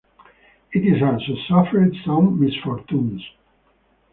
It also suffered some misfortunes.